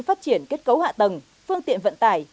phát triển kết cấu hạ tầng phương tiện vận tải